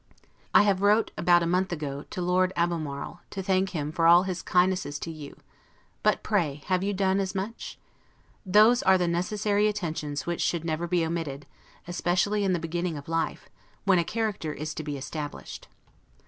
I have wrote, about a month ago, to Lord Albemarle, to thank him for all his kindnesses to you; but pray have you done as much? Those are the necessary attentions which should never be omitted, especially in the beginning of life, when a character is to be established.